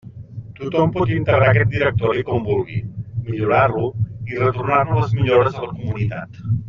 Tothom pot integrar aquest directori com vulgui, millorar-lo, i retornar-ne les millores a la comunitat.